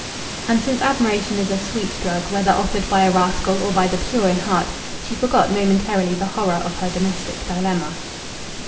And since admiration is a sweet drug, whether offered by a rascal or by the pure in heart, she forgot momentarily the horror of her domestic dilemma.